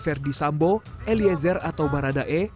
verdi sambo eliezer atau baradae